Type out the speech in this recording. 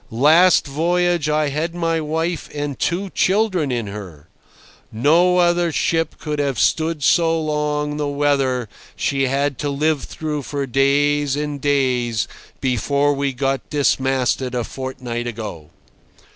Last voyage I had my wife and two children in her. No other ship could have stood so long the weather she had to live through for days and days before we got dismasted a fortnight ago.